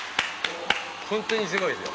ホントにすごいですよ。